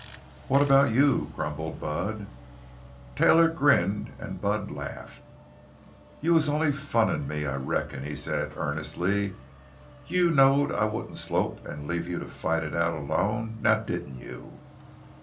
"What about you?" grumbled Bud. Taylor grinned, and Bud laughed. "You was only funnin' me, I reckon," he said, earnestly. "You knowed I wouldn't slope an' leave you to fight it out alone—now didn't you?"